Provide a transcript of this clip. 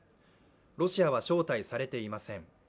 ロシアは招待されていません。